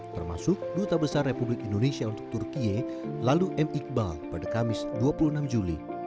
termasuk duta besar republik indonesia untuk turkiye lalu m iqbal pada kamis dua puluh enam juli